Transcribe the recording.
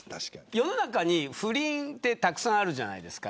世の中に不倫ってたくさんあるじゃないですか。